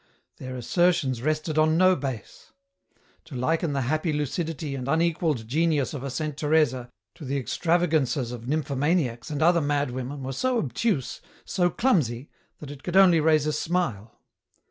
Their asser tions rested on no base. To liken the happy lucidity and unequalled genius of a Saint Teresa to the extravagances of nymphomaniacs and other mad women were so obtuse, so clumsy, that it could only raise a smile